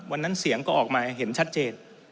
วันนั้นเสียงก็ออกมาเห็นชัดเจน